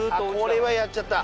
これはやっちゃった。